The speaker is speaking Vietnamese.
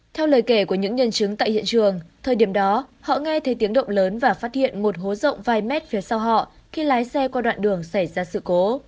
theo lời kể của những nhân chứng tại hiện trường thời điểm đó họ nghe thấy tiếng động lớn và phát hiện một hố rộng vài mét phía sau họ khi lái xe qua đoạn đường xảy ra sự cố